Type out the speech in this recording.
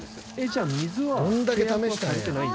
じゃあ水は契約はされてないんですか？